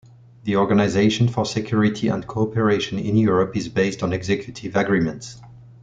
The Organization for Security and Co-Operation in Europe is based on executive agreements.